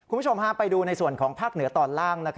คุณผู้ชมไปดูในส่วนของภาคเหนือตอนล่าง